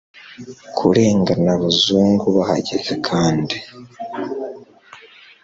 kurengana abazungu bahagaze kandi